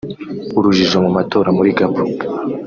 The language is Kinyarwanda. Urujijo mu matora muri Gabon